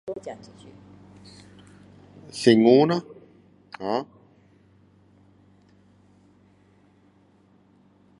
新闻咯 ho